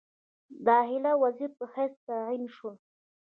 داخله وزیر په حیث تعین شول.